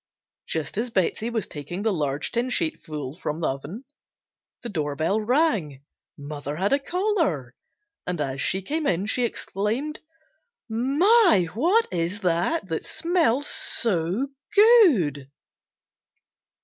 Just as Betsey was taking the large tin sheet full from the oven, the door bell rang. Mother had a caller, and as she came in, she exclaimed, "My, what is it that smells so good!"